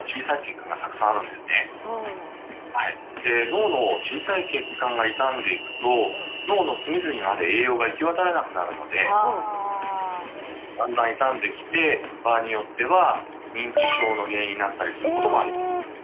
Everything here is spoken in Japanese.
脳の小さい血管が傷んでいくと脳の隅々まで栄養が行き渡らなくなるのでだんだん傷んできて場合によっては認知症の原因になったりすることもあります。